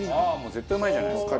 絶対うまいじゃないですか。